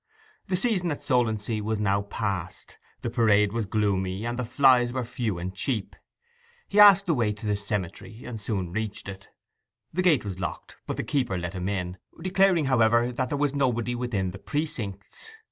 The season at Solentsea was now past: the parade was gloomy, and the flys were few and cheap. He asked the way to the Cemetery, and soon reached it. The gate was locked, but the keeper let him in, declaring, however, that there was nobody within the precincts.